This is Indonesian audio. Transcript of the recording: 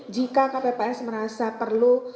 jika kpps merasa perlu